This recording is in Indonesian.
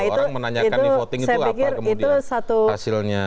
orang menanyakan di voting itu apa kemudian hasilnya